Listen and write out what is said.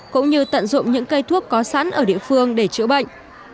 cũng như tận dụng những cây thuốc có sẵn ở địa phương để chữa bệnh